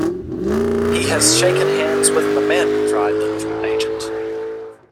‘He has shaken hands with the men,’ cried the little agent.